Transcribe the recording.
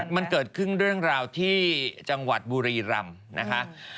มันเกิดขึ้นเรื่องราวที่จังหวัดบุรีรำนะคะ